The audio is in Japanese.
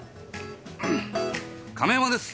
亀山です！